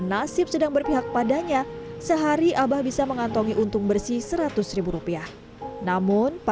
nasib sedang berpihak padanya sehari abah bisa mengantongi untung bersih seratus rupiah namun